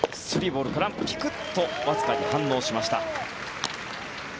３ボールからピクッとわずかに反応しました。